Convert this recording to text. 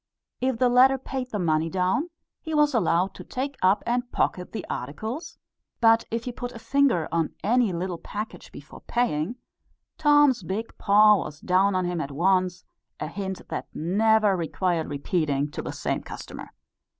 If the latter paid the money down, he was allowed to take up and pocket the articles; but if he put a finger on any little package before paying, Tom's big paw was down on him at once, a hint that never required repeating to the same customer.